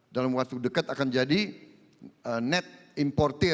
dalam wakil kita juga bisa mencari jalan jalan yang penting untuk mencapai keberanian kita